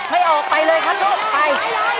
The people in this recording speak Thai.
ไม่ออกไปเลยครับลูกไป